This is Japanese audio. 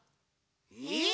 えっ？